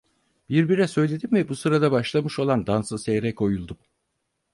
Bir bira söyledim ve bu sırada başlamış olan dansı seyre koyuldum.